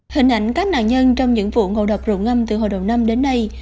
hình ảnh các nạn nhân trong những vụ ngộ độc rượu ngâm từ hồi đầu năm đến nay